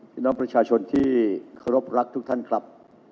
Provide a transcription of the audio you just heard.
พี่น้องประชาชนที่เคารพรักทุกท่านครับ